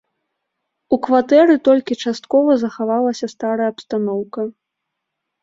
У кватэры толькі часткова захавалася старая абстаноўка.